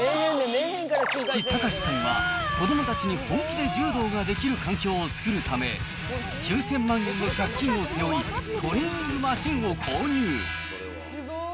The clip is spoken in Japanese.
父、タカシさんは子どもたちに本気で柔道ができる環境を作るため、９０００万円の借金を背負い、トレーニングマシンを購入。